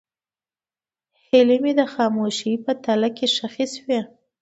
هیلې مې د خاموشۍ په تله کې ښخې شوې.